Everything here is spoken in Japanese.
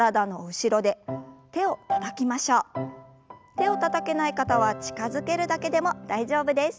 手をたたけない方は近づけるだけでも大丈夫です。